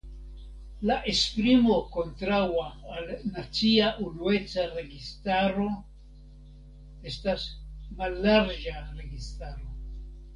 La esprimo kontraŭa al "nacia unueca registaro" estas "mallarĝa registaro".